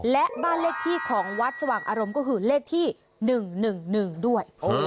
และบ้านเลขที่ของวัดสว่างอารมณ์ก็คือเลขที่๑๑๑๑ด้วย